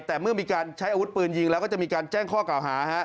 แต่เมื่อมีการใช้อาวุธปืนยิงแล้วก็จะมีการแจ้งข้อกล่าวหา